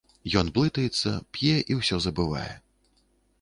Ён блытаецца, п'е і ўсё забывае.